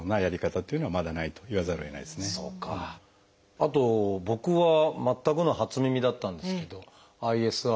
あと僕は全くの初耳だったんですけどＩＳＲ。